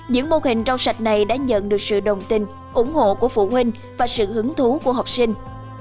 những mô hình rau sạch này đã nhận được sự đồng tình ủng hộ của phụ huynh và sự hứng thú của học sinh